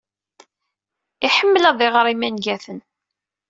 Iḥemmel ad iɣer imangaten.